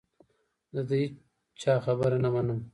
زه د هیچا خبره نه منم .